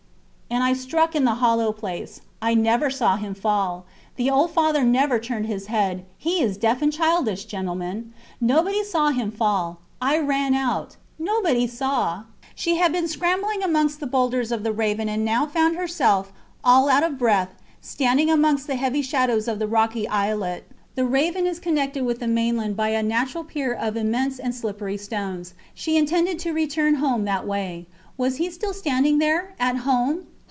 and I struck in the hollow place. I never saw him fall. ... The old father never turned his head. He is deaf and childish, gentlemen. ... Nobody saw him fall. I ran out ... Nobody saw. ... She had been scrambling amongst the boulders of the Raven and now found herself, all out of breath, standing amongst the heavy shadows of the rocky islet. The Raven is connected with the main land by a natural pier of immense and slippery stones. She intended to return home that way. Was he still standing there? At home.